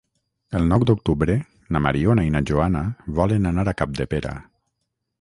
El nou d'octubre na Mariona i na Joana volen anar a Capdepera.